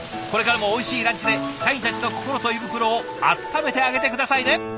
これからもおいしいランチで社員たちの心と胃袋をあっためてあげて下さいね！